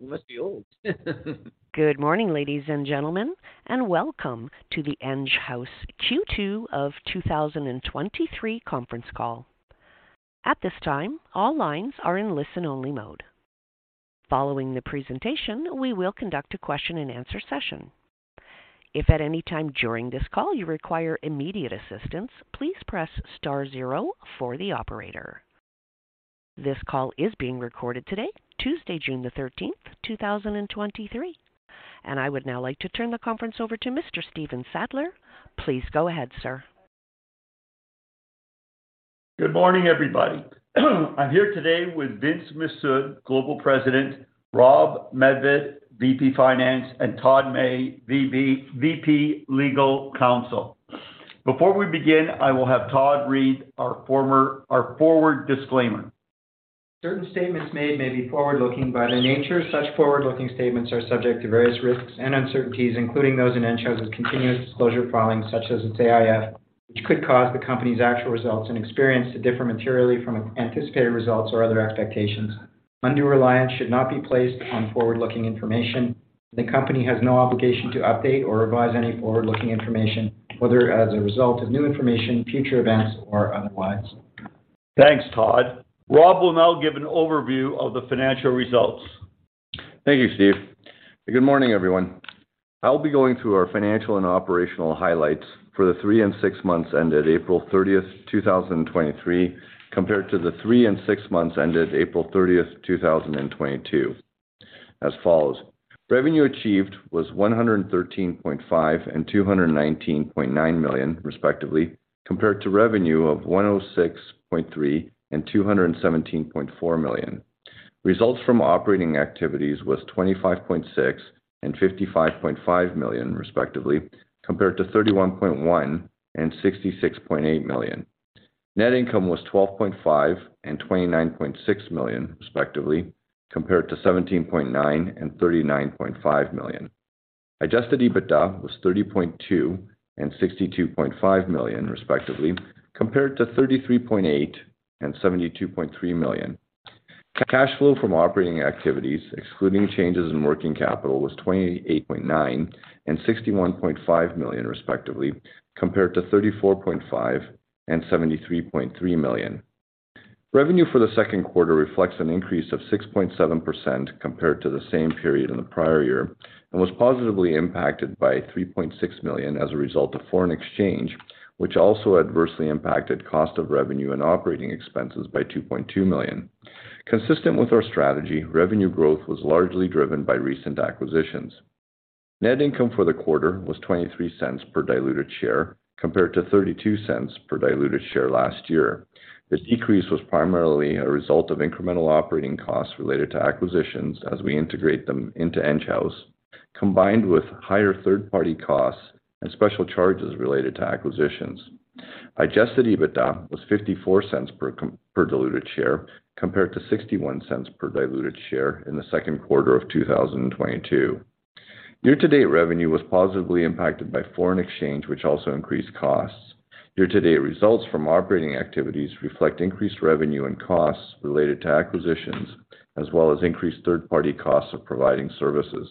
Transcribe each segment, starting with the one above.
You must be old. Good morning, ladies and gentlemen, and welcome to the Enghouse Q2 of 2023 conference call. At this time, all lines are in listen-only mode. Following the presentation, we will conduct a question-and-answer session. If at any time during this call you require immediate assistance, please press star zero for the operator. This call is being recorded today, Tuesday, June the 13th, 2023, and I would now like to turn the conference over to Mr. Stephen Sadler. Please go ahead, sir. Good morning, everybody. I'm here today with Vince Mifsud, Global President, Rob Medved, VP Finance, and Todd May, VP, Legal Counsel. Before we begin, I will have Todd read our forward disclaimer. Certain statements made may be forward-looking, but by nature, such forward-looking statements are subject to various risks and uncertainties, including those in Enghouse's continuous disclosure filings, such as its AIF, which could cause the company's actual results and experience to differ materially from anticipated results or other expectations. Undue reliance should not be placed on forward-looking information. The company has no obligation to update or revise any forward-looking information, whether as a result of new information, future events, or otherwise. Thanks, Todd. Rob will now give an overview of the financial results. Thank you, Steve. Good morning, everyone. I'll be going through our financial and operational highlights for the 3 and 6 months ended April 30, 2023, compared to the 3 and 6 months ended April 30, 2022. As follows: revenue achieved was 113.5 million and 219.9 million, respectively, compared to revenue of 106.3 million and 217.4 million. Results from operating activities was 25.6 million and 55.5 million, respectively, compared to 31.1 million and 66.8 million. Net income was 12.5 million and 29.6 million, respectively, compared to 17.9 million and 39.5 million. Adjusted EBITDA was 30.2 million and 62.5 million, respectively, compared to 33.8 million and 72.3 million. Cash flow from operating activities, excluding changes in working capital, was 28.9 million and 61.5 million, respectively, compared to 34.5 million and 73.3 million. Revenue for the second quarter reflects an increase of 6.7% compared to the same period in the prior year and was positively impacted by 3.6 million as a result of foreign exchange, which also adversely impacted cost of revenue and operating expenses by 2.2 million. Consistent with our strategy, revenue growth was largely driven by recent acquisitions. Net income for the quarter was 0.23 per diluted share, compared to 0.32 per diluted share last year. This decrease was primarily a result of incremental operating costs related to acquisitions as we integrate them into Enghouse, combined with higher third-party costs and special charges related to acquisitions. Adjusted EBITDA was $0.54 per diluted share, compared to $0.61 per diluted share in the second quarter of 2022. Year-to-date revenue was positively impacted by foreign exchange, which also increased costs. Year-to-date results from operating activities reflect increased revenue and costs related to acquisitions, as well as increased third-party costs of providing services.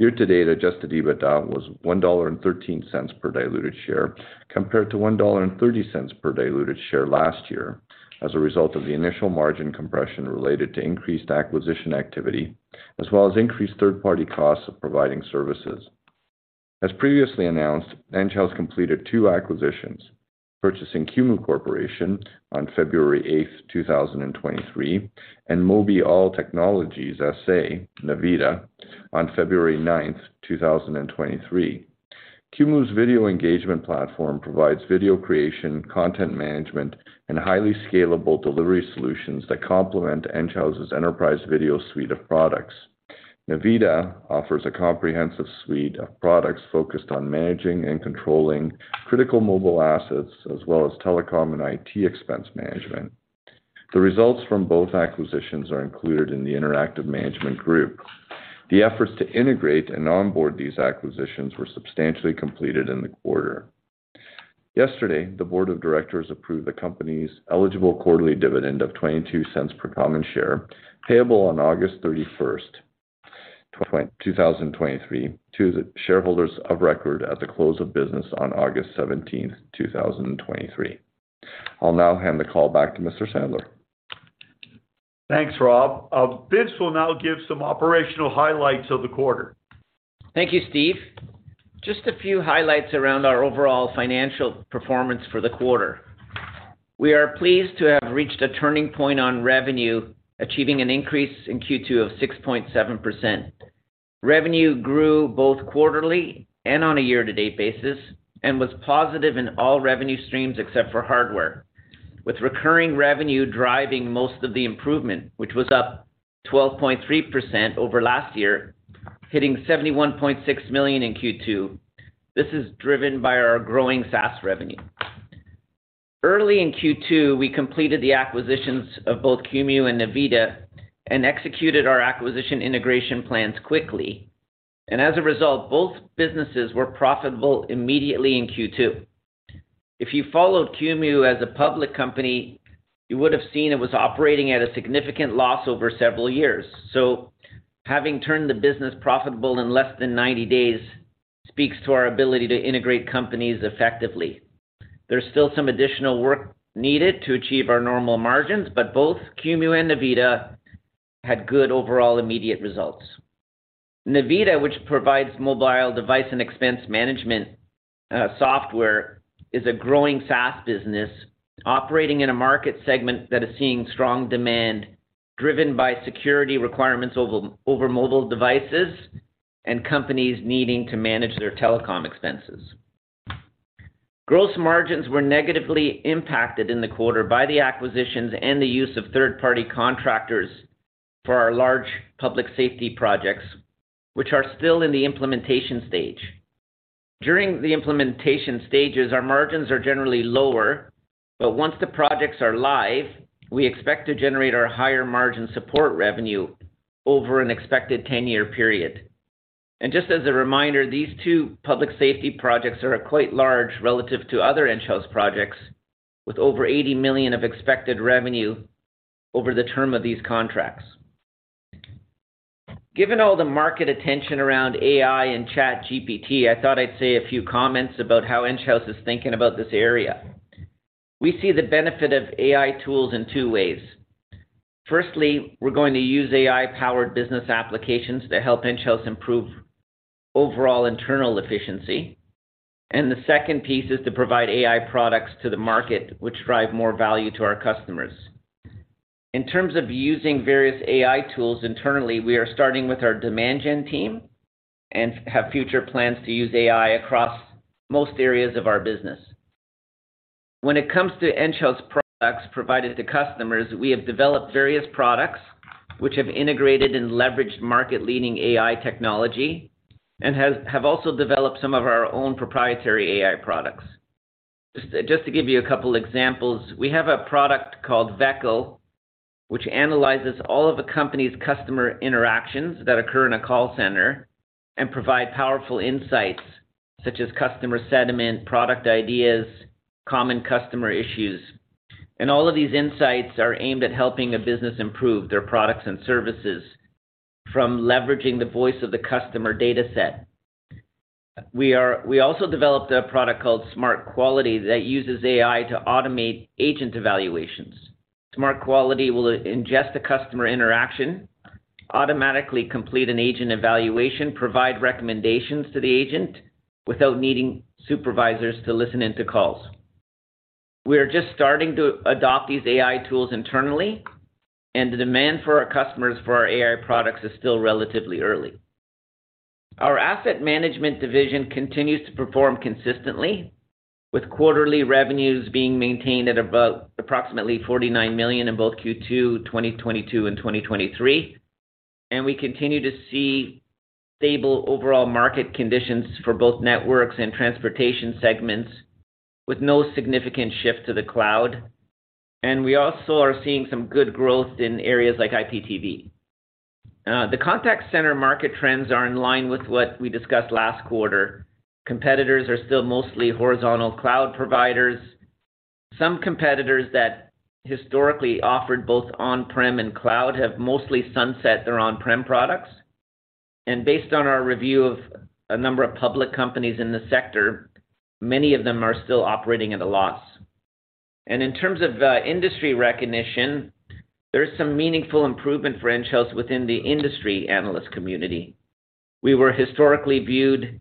Year-to-date, adjusted EBITDA was $1.13 per diluted share, compared to $1.30 per diluted share last year as a result of the initial margin compression related to increased acquisition activity, as well as increased third-party costs of providing services. As previously announced, Enghouse completed two acquisitions, purchasing Qumu Corporation on February 8th, 2023, and Mobi All Tecnologia S.A., Navita, on February 9th, 2023. Qumu's video engagement platform provides video creation, content management, and highly scalable delivery solutions that complement Enghouse's enterprise video suite of products. Navita offers a comprehensive suite of products focused on managing and controlling critical mobile assets, as well as telecom and IT expense management. The results from both acquisitions are included in the Interactive Management Group. The efforts to integrate and onboard these acquisitions were substantially completed in the quarter. Yesterday, the board of directors approved the company's eligible quarterly dividend of 0.22 per common share, payable on August 31st, 2023, to the shareholders of record at the close of business on August 17th, 2023. I'll now hand the call back to Mr. Sadler. Thanks, Rob. Vince will now give some operational highlights of the quarter. Thank you, Steve. Just a few highlights around our overall financial performance for the quarter. We are pleased to have reached a turning point on revenue, achieving an increase in Q2 of 6.7%. Revenue grew both quarterly and on a year-to-date basis and was positive in all revenue streams, except for hardware, with recurring revenue driving most of the improvement, which was up 12.3% over last year, hitting 71.6 million in Q2. This is driven by our growing SaaS revenue. Early in Q2, we completed the acquisitions of both Qumu and Navita and executed our acquisition integration plans quickly. As a result, both businesses were profitable immediately in Q2. If you followed Qumu as a public company, you would have seen it was operating at a significant loss over several years. Having turned the business profitable in less than 90 days, speaks to our ability to integrate companies effectively. There's still some additional work needed to achieve our normal margins, but both Qumu and Navita had good overall immediate results. Navita, which provides mobile device and expense management software, is a growing SaaS business, operating in a market segment that is seeing strong demand, driven by security requirements over mobile devices and companies needing to manage their telecom expenses. Gross margins were negatively impacted in the quarter by the acquisitions and the use of third-party contractors for our large public safety projects, which are still in the implementation stage. During the implementation stages, our margins are generally lower, but once the projects are live, we expect to generate our higher margin support revenue over an expected 10-year period. Just as a reminder, these two public safety projects are quite large relative to other Enghouse projects, with over 80 million of expected revenue over the term of these contracts. Given all the market attention around AI and ChatGPT, I thought I'd say a few comments about how Enghouse is thinking about this area. We see the benefit of AI tools in two ways. Firstly, we're going to use AI-powered business applications to help Enghouse improve overall internal efficiency. The second piece is to provide AI products to the market, which drive more value to our customers. In terms of using various AI tools internally, we are starting with our demand gen team and have future plans to use AI across most areas of our business. When it comes to Enghouse products provided to customers, we have developed various products which have integrated and leveraged market-leading AI technology, have also developed some of our own proprietary AI products. Just to give you a couple examples, we have a product called Vecta, which analyzes all of a company's customer interactions that occur in a call center and provide powerful insights such as customer sentiment, product ideas, common customer issues. All of these insights are aimed at helping a business improve their products and services from leveraging the voice of the customer data set. We also developed a product called SmartQuality, that uses AI to automate agent evaluations. SmartQuality will ingest the customer interaction, automatically complete an agent evaluation, provide recommendations to the agent without needing supervisors to listen in to calls. We are just starting to adopt these AI tools internally. The demand for our customers for our AI products is still relatively early. Our Asset Management Group continues to perform consistently, with quarterly revenues being maintained at about approximately 49 million in both Q2, 2022 and 2023. We continue to see stable overall market conditions for both networks and transportation segments, with no significant shift to the cloud. We also are seeing some good growth in areas like IPTV. The contact center market trends are in line with what we discussed last quarter. Competitors are still mostly horizontal cloud providers. Some competitors that historically offered both on-prem and cloud, have mostly sunset their on-prem products. Based on our review of a number of public companies in the sector, many of them are still operating at a loss. In terms of industry recognition, there is some meaningful improvement for Enghouse within the industry analyst community. We were historically viewed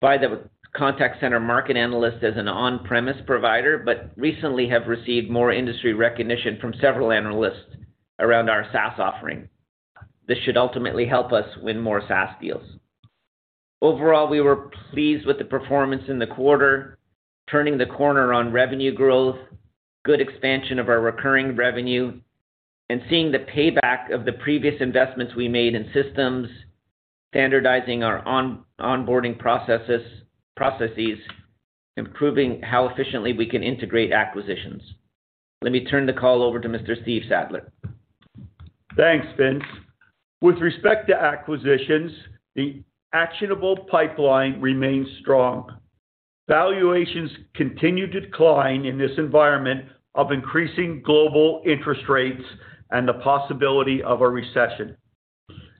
by the contact center market analyst as an on-premise provider, but recently have received more industry recognition from several analysts around our SaaS offering. This should ultimately help us win more SaaS deals. Overall, we were pleased with the performance in the quarter, turning the corner on revenue growth, good expansion of our recurring revenue, and seeing the payback of the previous investments we made in systems, standardizing our onboarding processes, improving how efficiently we can integrate acquisitions. Let me turn the call over to Mr. Stephen Sadler. Thanks, Vince. With respect to acquisitions, the actionable pipeline remains strong. Valuations continue to decline in this environment of increasing global interest rates and the possibility of a recession.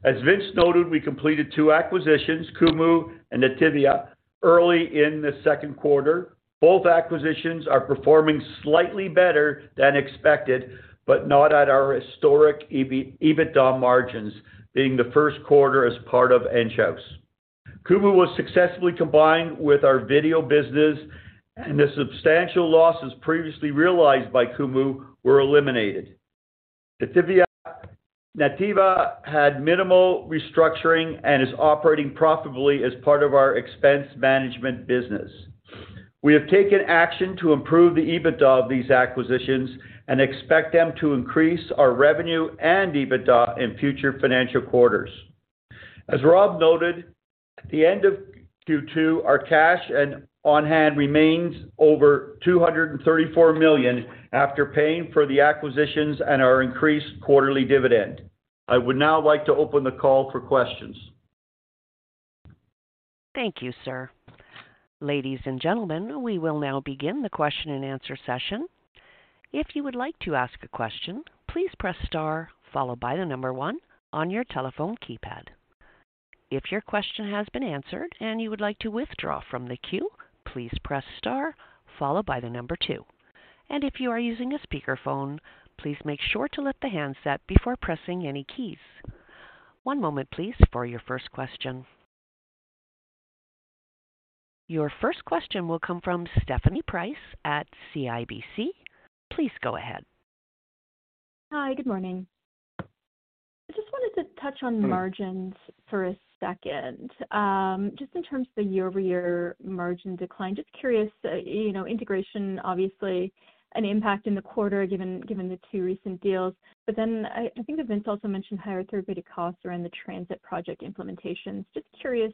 As Vince noted, we completed two acquisitions, Qumu and Navita, early in the second quarter. Both acquisitions are performing slightly better than expected, but not at our historic EBITDA margins, being the first quarter as part of Enghouse. Qumu was successfully combined with our video business, and the substantial losses previously realized by Qumu were eliminated. Navita had minimal restructuring and is operating profitably as part of our expense management business. We have taken action to improve the EBITDA of these acquisitions and expect them to increase our revenue and EBITDA in future financial quarters. As Rob noted, at the end of Q2, our cash and on-hand remains over 234 million, after paying for the acquisitions and our increased quarterly dividend. I would now like to open the call for questions. Thank you, sir. Ladies and gentlemen, we will now begin the question-and-answer session. If you would like to ask a question, please press star one on your telephone keypad. If your question has been answered and you would like to withdraw from the queue, please press star two If you are using a speakerphone, please make sure to lift the handset before pressing any keys. One moment please, for your first question. Your first question will come from Stephanie Price at CIBC. Please go ahead. Hi, good morning. I just wanted to touch on margins for a second, just in terms of the year-over-year margin decline. Just curious, you know, integration, obviously an impact in the quarter, given the two recent deals. I think Vince also mentioned higher third-party costs around the transit project implementations. Just curious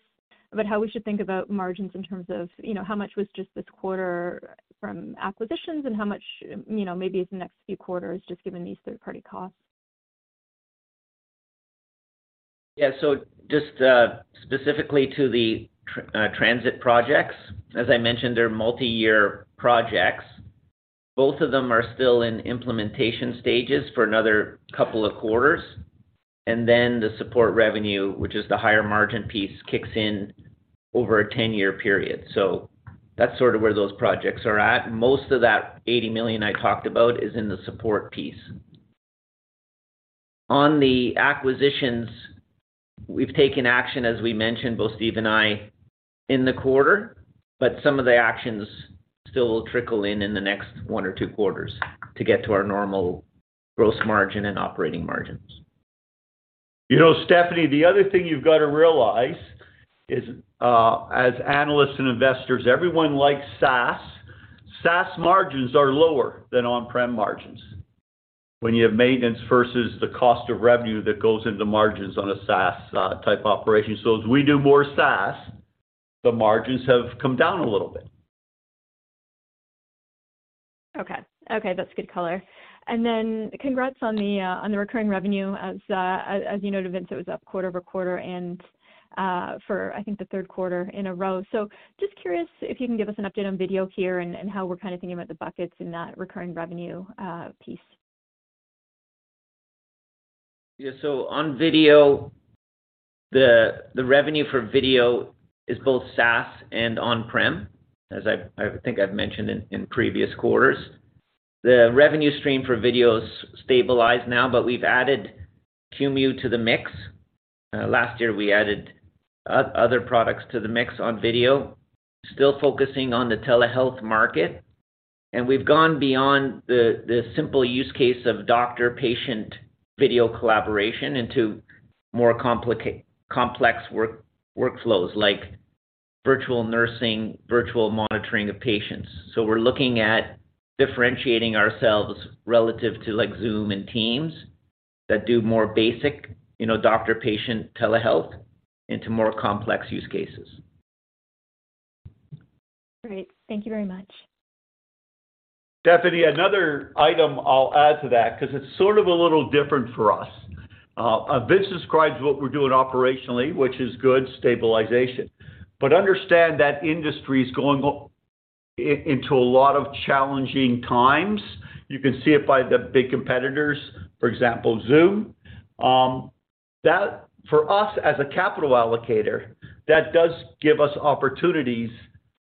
about how we should think about margins in terms of, you know, how much was just this quarter from acquisitions and how much, you know, maybe it's the next few quarters, just given these third-party costs? Just specifically to the transit projects, as I mentioned, they're multi-year projects. Both of them are still in implementation stages for another couple of quarters, and then the support revenue, which is the higher margin piece, kicks in over a 10-year period. That's sort of where those projects are at. Most of that 80 million I talked about is in the support piece. On the acquisitions, we've taken action, as we mentioned, both Steve and I, in the quarter, but some of the actions still will trickle in the next one or two quarters to get to our normal gross margin and operating margins. You know, Stephanie, the other thing you've got to realize is, as analysts and investors, everyone likes SaaS. SaaS margins are lower than on-prem margins when you have maintenance versus the cost of revenue that goes into margins on a SaaS, type operation. As we do more SaaS, the margins have come down a little bit. Okay. That's good color. Then congrats on the on the recurring revenue. As as you noted, Vince, it was up quarter-over-quarter and for I think the third quarter in a row. Just curious if you can give us an update on video here and how we're kind of thinking about the buckets in that recurring revenue piece. On video, the revenue for video is both SaaS and on-prem, as I think I've mentioned in previous quarters. The revenue stream for video is stabilized now, but we've added Qumu to the mix. Last year, we added other products to the mix on video, still focusing on the telehealth market, and we've gone beyond the simple use case of doctor-patient video collaboration into more complex work, workflows, like virtual nursing, virtual monitoring of patients. We're looking at differentiating ourselves relative to, like, Zoom and Teams that do more basic, you know, doctor-patient telehealth into more complex use cases. Great. Thank you very much. Stephanie, another item I'll add to that, because it's sort of a little different for us. Vince describes what we're doing operationally, which is good stabilization, but understand that industry is going into a lot of challenging times. You can see it by the big competitors, for example, Zoom. That, for us, as a capital allocator, that does give us opportunities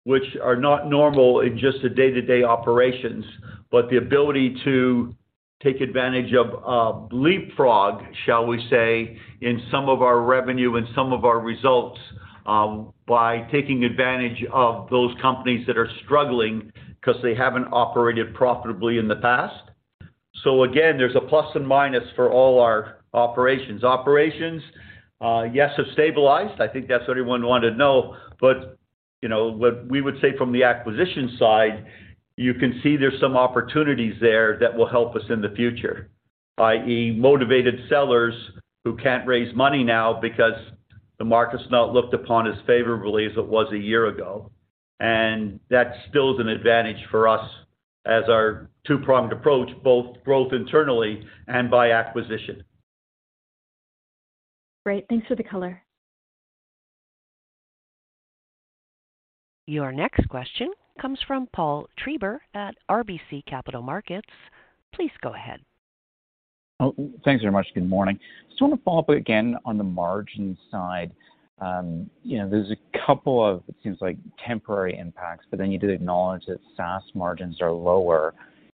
which are not normal in just the day-to-day operations, but the ability to take advantage of, leapfrog, shall we say, in some of our revenue and some of our results, by taking advantage of those companies that are struggling because they haven't operated profitably in the past. Again, there's a plus and minus for all our operations. Operations, yes, have stabilized. I think that's what everyone wanted to know. You know, what we would say from the acquisition side, you can see there's some opportunities there that will help us in the future, i.e., motivated sellers who can't raise money now because the market's not looked upon as favorably as it was a year ago. That's still an advantage for us as our two-pronged approach, both growth internally and by acquisition. Great. Thanks for the color. Your next question comes from Paul Treiber at RBC Capital Markets. Please go ahead. Oh, thanks very much. Good morning. Just want to follow up again on the margin side. You know, there's a couple of, it seems like temporary impacts, but then you did acknowledge that SaaS margins are lower.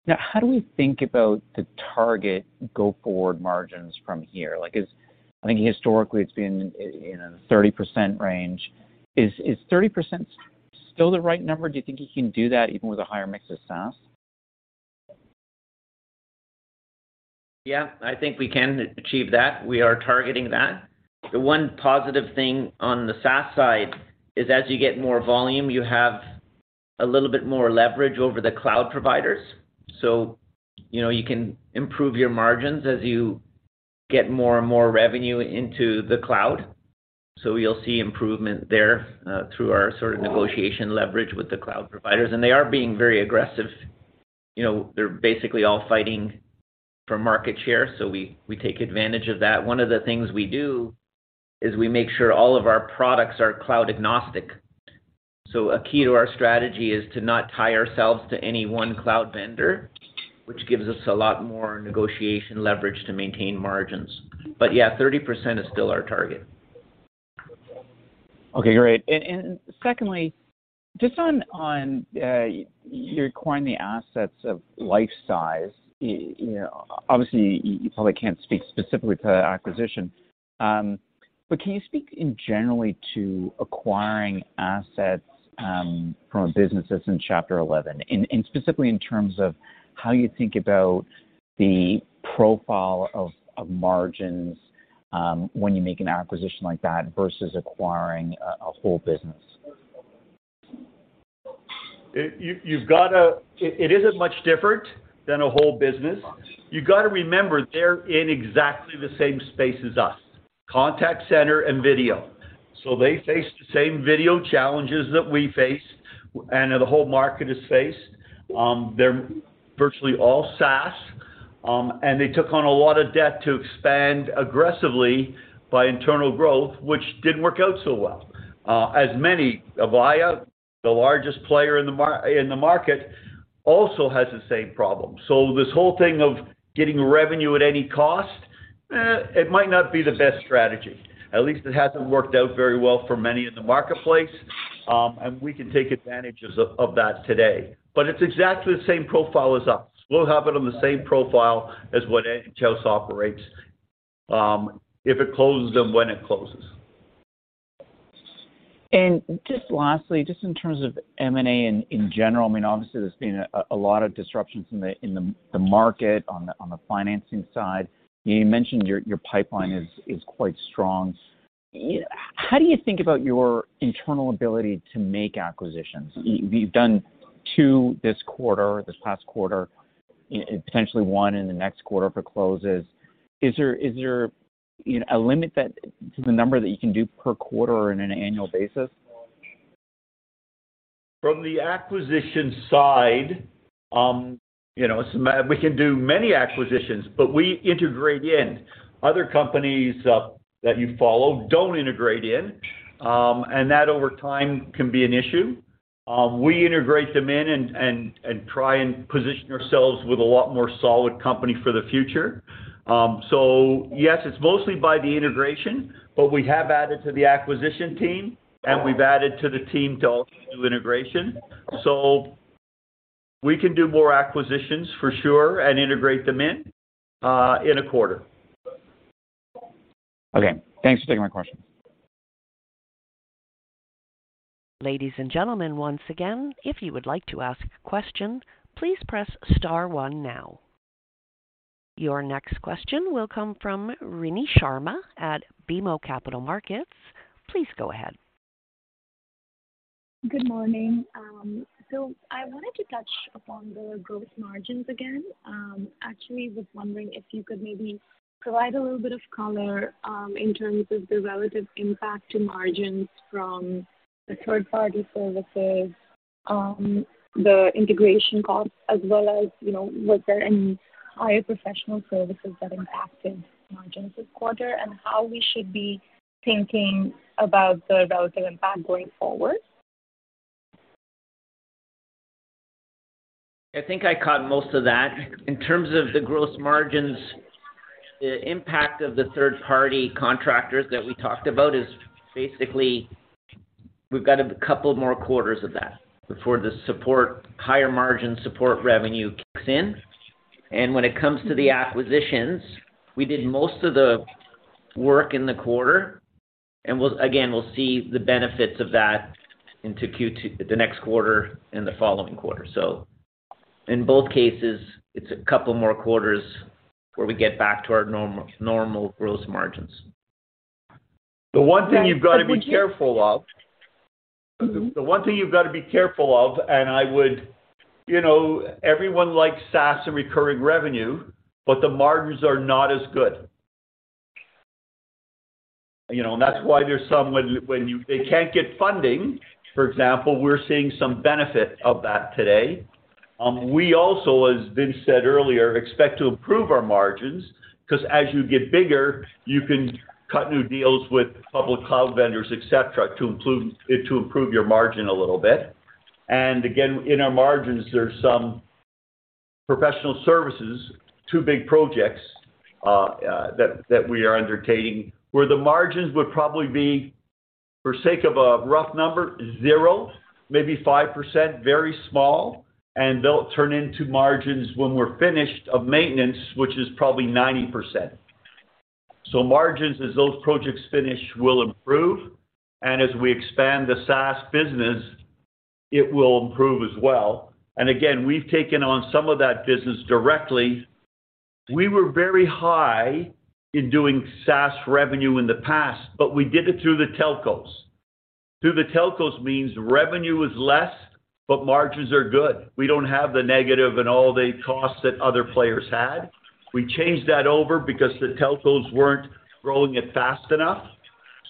How do we think about the target go-forward margins from here? Like, I think historically, it's been in a 30% range. Is 30% still the right number? Do you think you can do that even with a higher mix of SaaS? I think we can achieve that. We are targeting that. The one positive thing on the SaaS side is as you get more volume, you have a little bit more leverage over the cloud providers. You know, you can improve your margins as you get more and more revenue into the cloud. You'll see improvement there through our sort of negotiation leverage with the cloud providers. They are being very aggressive. You know, they're basically all fighting for market share, so we take advantage of that. One of the things we do is we make sure all of our products are cloud agnostic. A key to our strategy is to not tie ourselves to any one cloud vendor, which gives us a lot more negotiation leverage to maintain margins. 30% is still our target. Okay, great. Secondly, just on, you're acquiring the assets of Lifesize, you know, obviously, you probably can't speak specifically to the acquisition. Can you speak in generally to acquiring assets, from businesses in Chapter 11? Specifically in terms of how you think about the profile of margins, when you make an acquisition like that versus acquiring a whole business? It isn't much different than a whole business. You've got to remember, they're in exactly the same space as us, contact center and video. They face the same video challenges that we face, and the whole market has faced. They're virtually all SaaS. They took on a lot of debt to expand aggressively by internal growth, which didn't work out so well. As many, Avaya, the largest player in the market, also has the same problem. This whole thing of getting revenue at any cost, it might not be the best strategy. At least it hasn't worked out very well for many in the marketplace, and we can take advantages of that today. It's exactly the same profile as us. We'll have it on the same profile as what AngelList operates, if it closes and when it closes. Just lastly, in terms of M&A in general, I mean, obviously, there's been a lot of disruptions in the market, on the financing side. You mentioned your pipeline is quite strong. How do you think about your internal ability to make acquisitions? You've done two this quarter, this past quarter, and potentially one in the next quarter if it closes. Is there, you know, a limit to the number that you can do per quarter or in an annual basis? From the acquisition side, you know, we can do many acquisitions, but we integrate in. Other companies that you follow don't integrate in, and that over time can be an issue. We integrate them in and try and position ourselves with a lot more solid company for the future. Yes, it's mostly by the integration, but we have added to the acquisition team, and we've added to the team to also do integration. We can do more acquisitions for sure and integrate them in a quarter. Okay. Thanks for taking my question. Ladies and gentlemen, once again, if you would like to ask a question, please press star one now. Your next question will come from Thanos Moschopoulos at BMO Capital Markets. Please go ahead. Good morning. I wanted to touch upon the gross margins again. Actually, was wondering if you could maybe provide a little bit of color, in terms of the relative impact to margins from the third-party services, the integration costs, as well as, you know, was there any higher professional services that impacted margins this quarter, and how we should be thinking about the relative impact going forward? I think I caught most of that. In terms of the gross margins, the impact of the third-party contractors that we talked about is basically, we've got a couple more quarters of that before the support, higher margin support revenue kicks in. When it comes to the acquisitions, we did most of the work in the quarter, again, we'll see the benefits of that into the next quarter and the following quarter. In both cases, it's a couple more quarters where we get back to our normal growth margins. The one thing you've got to be careful of. Mm-hmm. The one thing you've got to be careful of. You know, everyone likes SaaS and recurring revenue, but the margins are not as good. You know, that's why there's some they can't get funding, for example, we're seeing some benefit of that today. We also, as Vince said earlier, expect to improve our margins, 'cause as you get bigger, you can cut new deals with public cloud vendors, et cetera, to improve your margin a little bit. Again, in our margins, there's some professional services, 2 big projects that we are undertaking, where the margins would probably be, for sake of a rough number, 0, maybe 5%, very small, and they'll turn into margins when we're finished, of maintenance, which is probably 90%. Margins, as those projects finish, will improve, and as we expand the SaaS business, it will improve as well. Again, we've taken on some of that business directly. We were very high in doing SaaS revenue in the past, but we did it through the telcos. Through the telcos means revenue is less, but margins are good. We don't have the negative and all the costs that other players had. We changed that over because the telcos weren't growing it fast enough.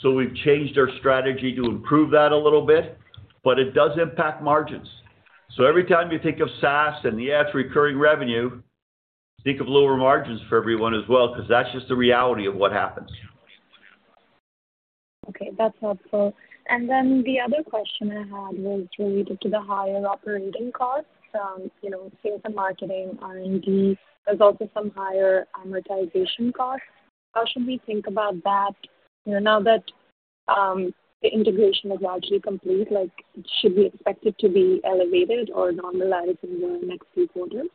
We've changed our strategy to improve that a little bit, but it does impact margins. Every time you think of SaaS, and yeah, it's recurring revenue. Think of lower margins for everyone as well, because that's just the reality of what happens. Okay, that's helpful. The other question I had was related to the higher operating costs, you know, sales and marketing, R&D. There's also some higher amortization costs. How should we think about that, you know, now that the integration is largely complete, like, should we expect it to be elevated or normalized in the next few quarters?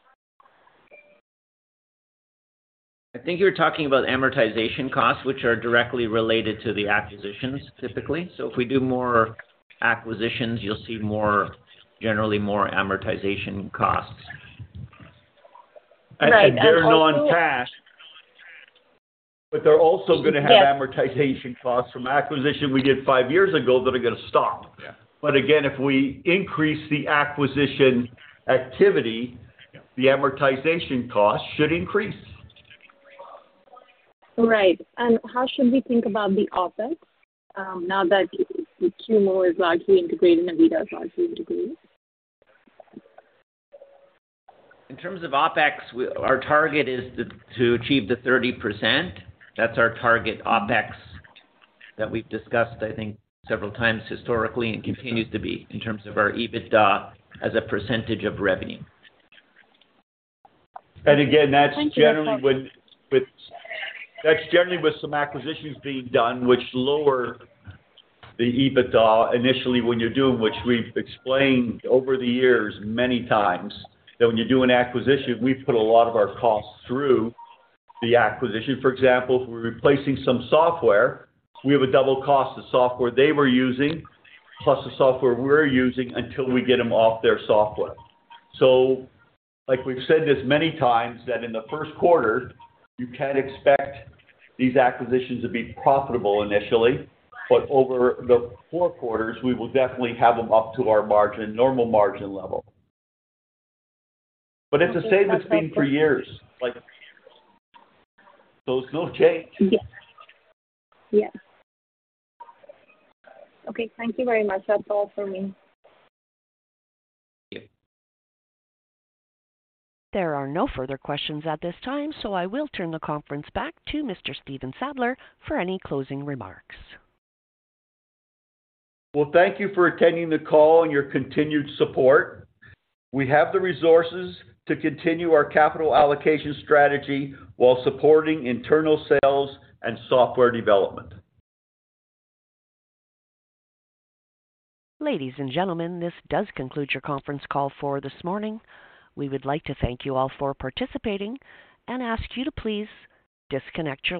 I think you're talking about amortization costs, which are directly related to the acquisitions, typically. If we do more acquisitions, you'll see more, generally more amortization costs. Right. They're non-cash, but they're also. Yes gonna have amortization costs from acquisition we did five years ago that are going to stop. Yeah. Again, if we increase the acquisition activity... Yeah The amortization costs should increase. Right. How should we think about the OpEx, now that Qumu is largely integrated, and Navita is largely integrated? In terms of OpEx, our target is to achieve the 30%. That's our target OpEx that we've discussed, I think, several times historically, and continues to be in terms of our EBITDA as a percentage of revenue. again, that's generally. Thank you. That's generally with some acquisitions being done, which lower the EBITDA initially when you're doing, which we've explained over the years many times, that when you do an acquisition, we put a lot of our costs through the acquisition. For example, if we're replacing some software, we have a double cost, the software they were using, plus the software we're using until we get them off their software. Like we've said this many times, that in the first quarter, you can't expect these acquisitions to be profitable initially, but over the four quarters, we will definitely have them up to our margin, normal margin level. It's the same it's been for years. It's no change. Yes. Yes. Okay, thank you very much. That's all for me. Okay. There are no further questions at this time. I will turn the conference back to Mr. Stephen Sadler for any closing remarks. Thank you for attending the call and your continued support. We have the resources to continue our capital allocation strategy while supporting internal sales and software development. Ladies and gentlemen, this does conclude your conference call for this morning. We would like to thank you all for participating and ask you to please disconnect your lines.